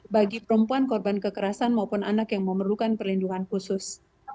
bagi perempuan korban kekerasan maupun anak yang memerlukan perlindungan khusus